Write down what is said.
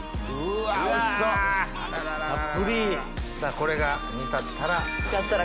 これが煮立ったら。